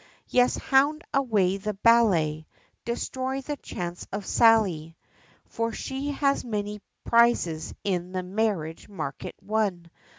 Yes, hound away the ballet, Destroy the chance of Sally, For she has many prizes in the marriage market won.